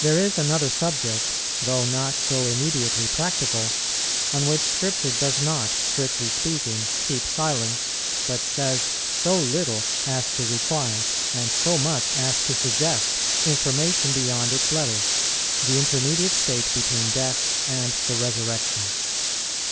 There is another subject, though not so immediately practical, on which Scripture does not, strictly speaking, keep silence, but says so little as to require, and so much as to suggest, information beyond its letter, the intermediate state between death and the Resurrection.